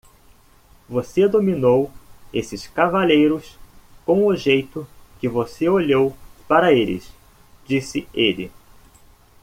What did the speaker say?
"Você dominou esses cavaleiros com o jeito que você olhou para eles?", disse ele.